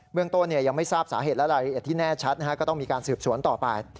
เมืองต้นยังไม่ทราบสาเหตุอะไรแต่ที่แน่ชัดก็ต้องมีการสืบสวนต่อไป